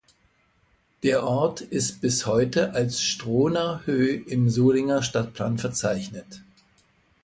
Der Ort ist bis heute als "Strohnerhöh" im Solinger Stadtplan verzeichnet.